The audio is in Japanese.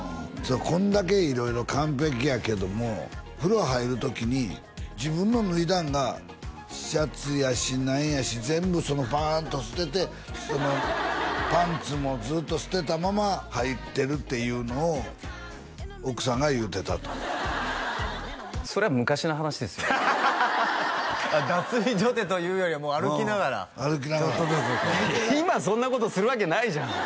こんだけ色々完璧やけども風呂入る時に自分の脱いだんがシャツやし何やし全部そのバーンと捨ててそのパンツもずっと捨てたまま入ってるっていうのを奥さんが言うてたとそれは昔の話ですよ脱衣所でというよりはもう歩きながら歩きながらちょっとずつ今そんなことするわけないじゃん！